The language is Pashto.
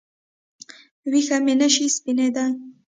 ویښته مې نشي سپینېدای